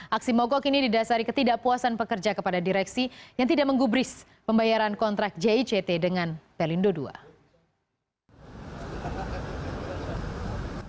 aksi mogok ini didasari ketidakpuasan pekerja kepada direksi yang tidak menggubris pembayaran kontrak jict dengan pelindo ii